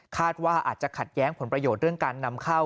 ว่าอาจจะขัดแย้งผลประโยชน์เรื่องการนำเข้า